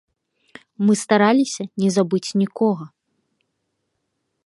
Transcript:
Мы стараліся не забыць нікога.